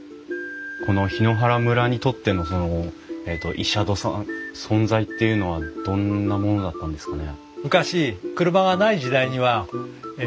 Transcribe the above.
この檜原村にとってのその医者殿さん存在っていうのはどんなものだったんですかね？